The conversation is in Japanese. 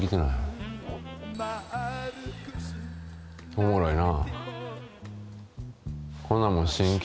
おもろいな。